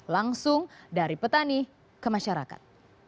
langsung dari petani ke masyarakat